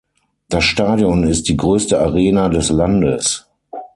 Das Stadion ist die größte Arena des Landes.